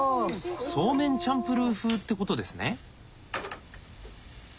そうめんチャンプルー風って事ですね。